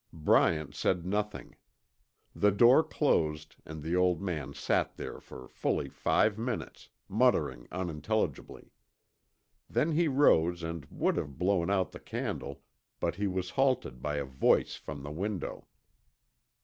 Bryant said nothing. The door closed, and the old man sat there for fully five minutes, muttering unintelligibly. Then he rose and would have blown out the candle, but he was halted by a voice from the window.